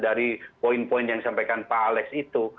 dari jumlah hari karantina dari poin poin yang disampaikan pak alex itu